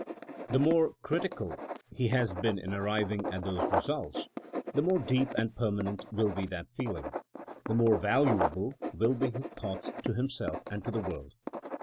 The more critical he has been in arriving at those results, the more deep and permanent will be that feel ing, the more valuable will be his thoughts to himself and to the world.